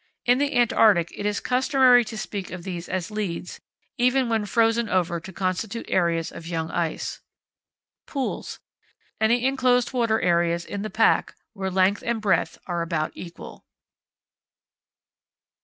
In the Antarctic it is customary to speak of these as leads, even when frozen over to constitute areas of young ice. Pools. Any enclosed water areas in the pack, where length and breadth are about equal.